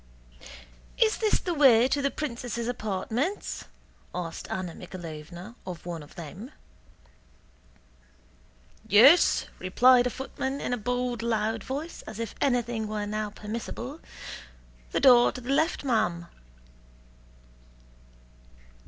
"Is this the way to the princesses' apartments?" asked Anna Mikháylovna of one of them. "Yes," replied a footman in a bold loud voice, as if anything were now permissible; "the door to the left, ma'am."